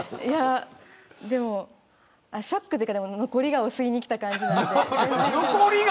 ショックというか残り香を吸いにきた感じなんで。